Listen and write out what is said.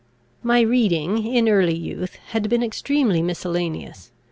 My reading, in early youth, had been extremely miscellaneous.